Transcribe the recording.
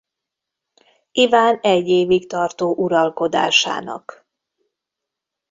Iván egy évig tartó uralkodásának.